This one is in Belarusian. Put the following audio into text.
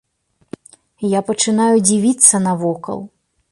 Я пачынаю дзівіцца навокал.